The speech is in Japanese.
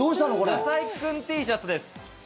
なさいくんＴシャツです。